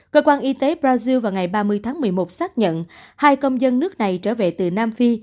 cơ quan y tế brazil vào ngày ba mươi tháng một mươi một xác nhận hai công dân nước này trở về từ nam phi